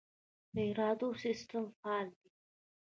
د رادار سیستم فعال دی؟